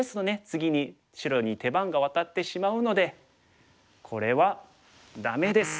次に白に手番が渡ってしまうのでこれはダメです！